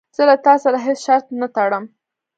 زه له تا سره هیڅ شرط نه ټړم.